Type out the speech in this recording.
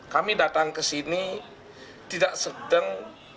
kami datang ke sini tidak sedang